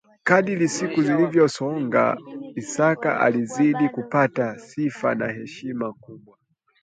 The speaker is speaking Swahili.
Kadri siku zilivyosonga Isaka alizidi kupata sifa na heshima kubwa